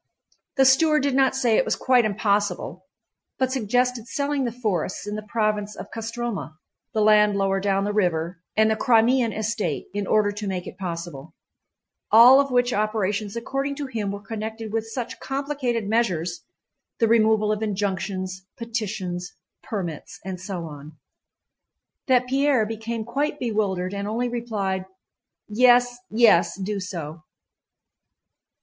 The steward did not say it was quite impossible, but suggested selling the forests in the province of Kostromá, the land lower down the river, and the Crimean estate, in order to make it possible: all of which operations according to him were connected with such complicated measures—the removal of injunctions, petitions, permits, and so on—that Pierre became quite bewildered and only replied: "Yes, yes, do so."